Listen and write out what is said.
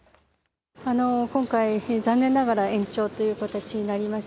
今回、残念ながら延長という形になります。